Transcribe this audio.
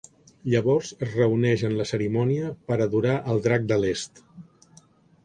Llavors es reuneix en la cerimònia per adorar al drac de l'est.